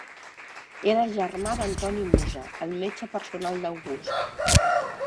Era germà d'Antoni Musa el metge personal d'August.